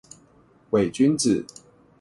偽君子